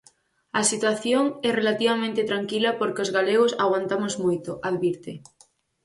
"A situación é relativamente tranquila porque os galegos aguantamos moito", advirte.